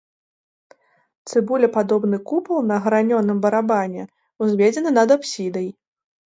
Цыбулепадобны купал на гранёным барабане ўзведзены над апсідай.